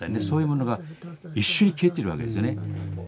そういうものが一瞬に消えてるわけですよね。